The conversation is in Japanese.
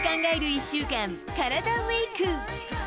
１週間、カラダＷＥＥＫ。